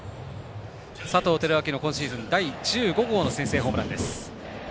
佐藤輝明の今シーズン第１５号の先制ホームランです。